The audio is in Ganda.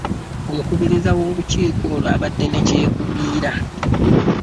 Omukubiriza w'olukiiko olwo abadde ne kyekubiira.